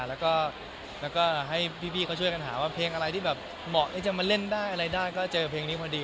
แล้วก็ให้พี่เขาช่วยกันหาว่าเพลงอะไรที่แบบเหมาะที่จะมาเล่นได้อะไรได้ก็เจอเพลงนี้พอดี